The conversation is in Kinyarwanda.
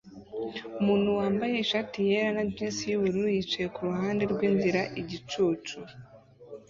Umuntu wambaye ishati yera na jinsi yubururu yicaye kuruhande rwinzira igicucu